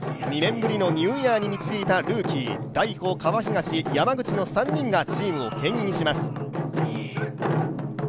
２年ぶりのニューイヤーに導いたルーキー、大保、河東、山口の３人がチームをけん引します。